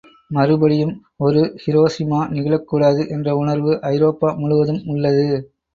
மறுபடியும் ஒரு ஹிரோஷிமா நிகழக்கூடாது என்ற உணர்வு ஐரோப்பா முழுவதும் உள்ளது.